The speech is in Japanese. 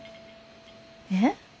えっ？